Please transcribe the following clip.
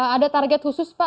ada target khusus pak